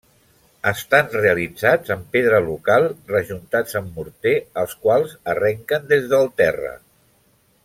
Estan realitzats amb pedra local, rejuntats amb morter, els quals arrenquen des del terra.